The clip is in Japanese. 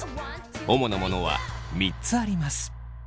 主なものは３つあります。